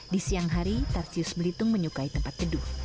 di siang hari tarsius belitung menyukai tempat teduh